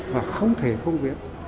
và không thể không viết